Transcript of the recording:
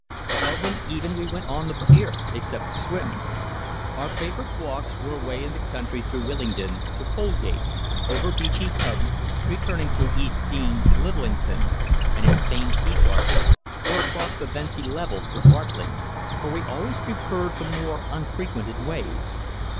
Seldom even we went on the pier, except to swim. Our favourite walks were away in the country through Willingdon to Polegate, over Beachy Head, returning through East Dean to Litlington and its famed tea garden, or across Pevensey Levels to Wartling, for we always preferred the more unfrequented ways.